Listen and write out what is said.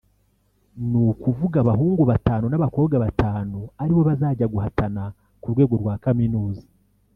ni ukuvuga abahungu batanu n'abakobwa batanu aribo bazajya guhatana ku rwego rwa kaminuza